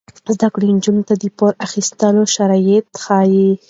زده کړه نجونو ته د پور اخیستلو شرایط ښيي.